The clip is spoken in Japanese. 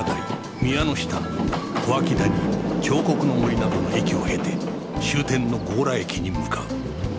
下小涌谷彫刻の森などの駅を経て終点の強羅駅に向かう